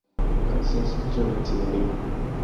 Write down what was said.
本县县治为杰里。